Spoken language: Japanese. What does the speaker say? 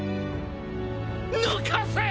抜かせえ！